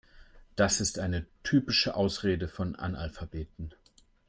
Das ist eine typische Ausrede von Analphabeten.